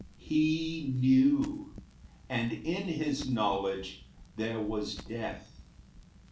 "He knew, and in his knowledge there was death.